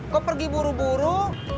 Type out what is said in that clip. kok pergi buru buru